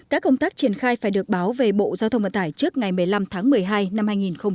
các công tác triển khai phải được báo về bộ giao thông vận tải trước ngày một mươi năm tháng một mươi hai năm hai nghìn một mươi chín